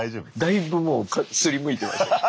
だいぶもう擦りむいてましたけど。